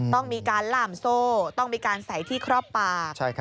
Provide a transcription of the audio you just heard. ต้องมีการหล่ามโซ่ต้องมีการใส่ที่ครอบปาก